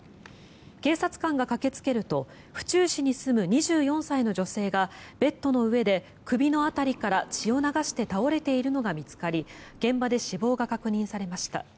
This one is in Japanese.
警察官が駆けつけると府中市に住む２４歳の女性がベッドの上で首の辺りから血を流して倒れているのが見つかり現場で死亡が確認されました。